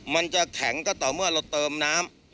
มันจะแข็งก็ต่อเมื่อเราเติมน้ำ